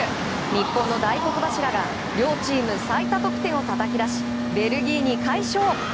日本の大黒柱が両チーム最多得点をたたき出しベルギーに快勝。